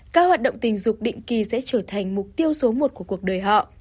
các hoạt động tình dục định kỳ sẽ trở thành mục tiêu số một của cuộc đời họ